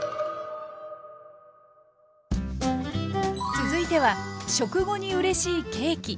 続いては食後にうれしいケーキ。